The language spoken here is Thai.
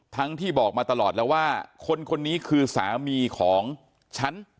ที่บอกมาตลอดแล้วว่าคนคนนี้คือสามีของฉัน